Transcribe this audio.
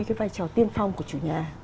cái vai trò tiên phong của chủ nhà